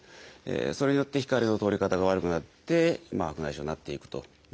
それによって光の通り方が悪くなって白内障になっていくということになる。